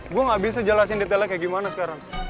gue gak bisa jelasin detailnya kayak gimana sekarang